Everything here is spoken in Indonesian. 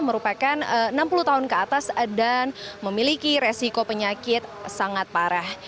merupakan enam puluh tahun ke atas dan memiliki resiko penyakit sangat parah